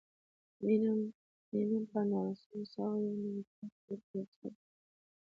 مینم په نولس سوه یو نوي کال کې د کرنسۍ ارزښت وتاړه.